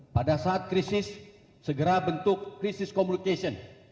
pada saat krisis segera bentuk krisis komunikasi